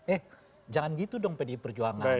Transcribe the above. eh jangan gitu dong pdi perjuangan